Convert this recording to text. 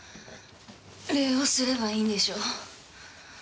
礼をすればいいんでしょ？